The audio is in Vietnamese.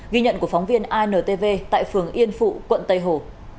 ghi nhận của phóng viên intv tại phường yên phụ quận tây hồ